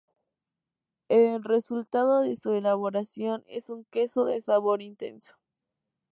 El resultado de su elaboración es un queso de sabor intenso.